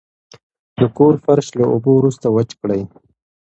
د کور فرش له اوبو وروسته وچ کړئ.